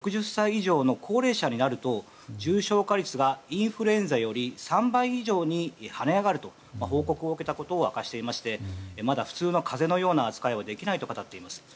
ある総理周辺は、専門家からオミクロン株は重症化率は低いが６０歳以上の高齢者になると重症化率がインフルエンザより３倍以上に跳ね上がると報告を受けたことを明かしていましてまだ普通の風邪のような扱いはできないと語っています。